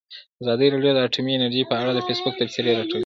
ازادي راډیو د اټومي انرژي په اړه د فیسبوک تبصرې راټولې کړي.